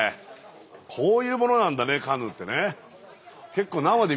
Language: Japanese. こういうものなんだねカヌーってね。